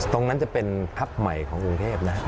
ตรงนั้นจะเป็นทัพใหม่ของกรุงเทพนะ